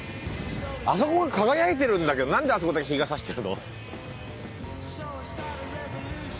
あそこが輝いてるんだけどなんであそこだけ日が差してるの？